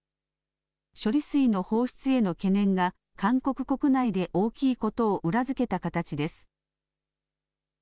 処理水の放出への懸念が韓国国内で大きいことを裏付けた形です。